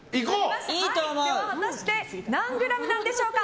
果たして何グラムでしょうか。